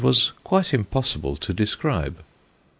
'/ was quite impossible to describe.